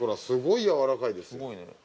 すごい、やわらかいですね。